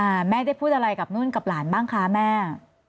แม่ได้พูดอะไรกับนุ่นกับหลานบ้างคะแม่